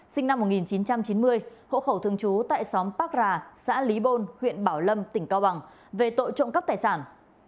sinh năm một nghìn chín trăm chín mươi hộ khẩu thương chú tại xóm pác rà xã lý bôn huyện bảo lâm tỉnh cao bằng về tội trộm cấp tài sản